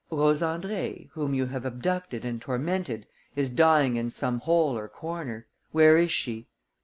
"Rose Andrée, whom you have abducted and tormented, is dying in some hole or corner. Where is she?"